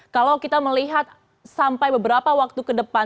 kalau kita melihat sampai beberapa waktu ke depan